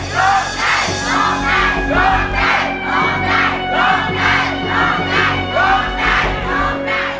ร้องได้ร้องได้ร้องได้